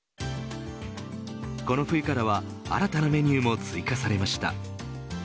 この冬からは新たなメニューも追加されました。